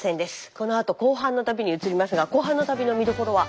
このあと後半の旅に移りますが後半の旅の見どころは？